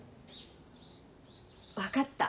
分かった。